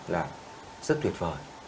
là rất tuyệt vời